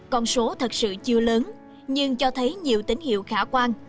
con số thật sự chưa lớn nhưng cho thấy nhiều tín hiệu khả quan